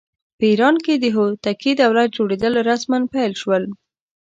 په ایران کې د هوتکي دولت جوړېدل رسماً پیل شول.